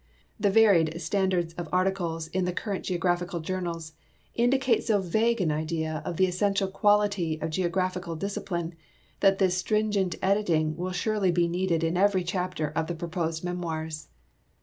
The varied standards of articles in the current geographical journals indicate so vague an idea of tlie essential quality of geographical discipline that this stringent editing will surely be needed in every chapter of the proposed memoirs.